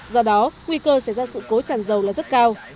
do đó nguy cơ xảy ra sự cố tràn dầu là rất cao